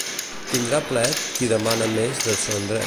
Tindrà plet qui demana més de son dret.